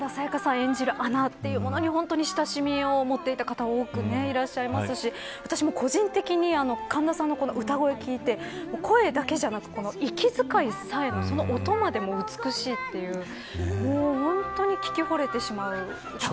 演じるアナ親しみを持っていた方も多くいらっしゃいますし私も個人的に神田さんの歌声を聞いて声だけでなく息遣いさえもその音までも美しいという本当に聞きほれてしまう感じですよね。